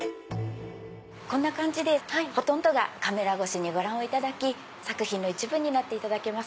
こんな感じでほとんどがカメラ越しにご覧いただき作品の一部になっていただけます。